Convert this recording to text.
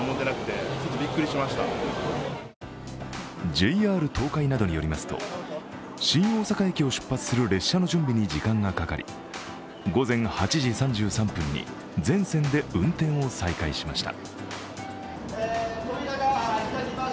ＪＲ東海などによりますと新大阪駅を出発する列車の準備に時間がかかり、午前８時３３分に全線で運転を再開しました。